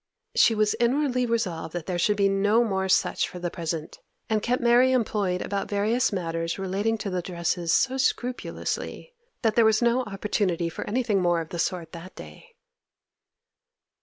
She was inwardly resolved that there should be no more such for the present, and kept Mary employed about various matters relating to the dresses so scrupulously, that there was no opportunity for anything more of the sort that day.